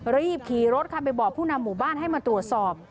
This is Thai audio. รีบขี่รถค่ะไปบอกผู้นำหมู่บ้านให้มาตรวจสอบ